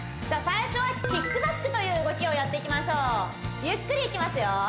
最初はキックバックという動きをやっていきましょうゆっくりいきますよ